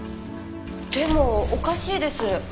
でもおかしいです。